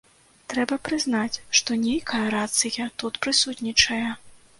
Трэба прызнаць, што нейкая рацыя тут прысутнічае.